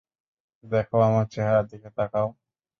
দেখো, আমার চেহারার দিকে তাকাও।